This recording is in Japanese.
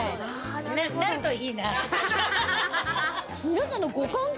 なるといいな。